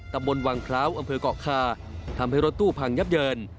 ตำบลวังพร้าวอำเภอกเกาะคาทำให้รถตู้พังยับเยิน